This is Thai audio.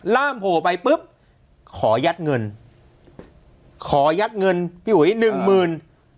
ล่ามโผล่ไปปุ๊บขอยัดเงินขอยัดเงินพี่อุ๋ยหนึ่งหมื่น